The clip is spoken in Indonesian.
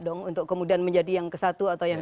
dong untuk kemudian menjadi yang ke satu atau yang